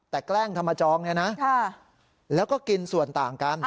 แต่แกล้งทำมาจองเนี่ยนะแล้วก็กินส่วนต่างกัน